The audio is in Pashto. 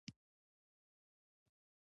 ښار یې امیر عبدالرحمن خان ته تسلیم کړ.